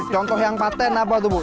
contoh yang patent apa tuh bu